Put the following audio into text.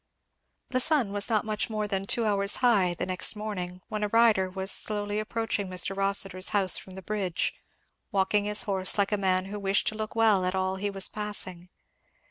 The sun was not much more than two hours high the next morning when a rider was slowly approaching Mr. Rossitur's house from the bridge, walking his horse like a man who wished to look well at all he was passing.